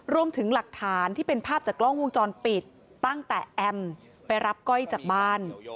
รวมถึงหลักฐานที่เป็นภาพจากกล้องวงจรปิดตั้งแต่แอมไปรับก้อยจากบ้าน